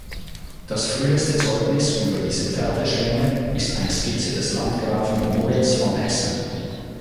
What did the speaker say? Das früheste Zeugnis über diese Pferdeschwemme ist eine Skizze des Landgrafen Moritz von Hessen.